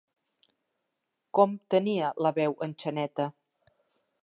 Com tenia la veu en Xaneta?